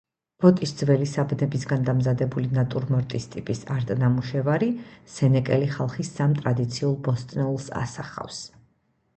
ვოტის ძველი საბნებისგან დამზადებული ნატურმორტის ტიპის არტ ნამუშევარი სენეკელი ხალხის სამ ტრადიცულ ბოსტნეულს ასახავს.